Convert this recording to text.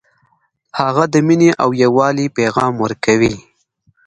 هغه د مینې او یووالي پیغام ورکوي